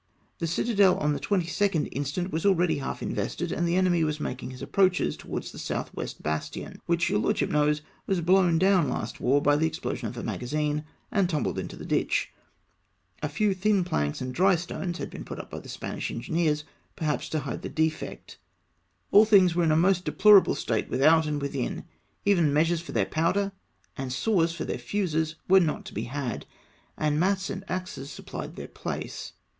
The citadel on the 22nd instant was already half invested, and the enemy was making his approaches towards the south west bastion, which your lordship knows was blown do^vn last war by the explosion of a magazine and tumbled into the ditch ; a few thin planks and dry stones had been put up by the Spanish engineers, perhaps to hide the defect ; all things were in the most deplorable state without and within ; even measures for their powder and saws foi their fuses were not to be had, and mats and axes supplied their place.